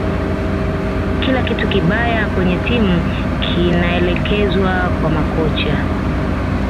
kila kitu kibaya kwenye timu kinaelekezwa kwa makocha